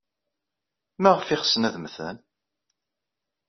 Maɣef ay ɣsen ad mmten?